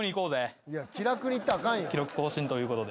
記録更新ということで。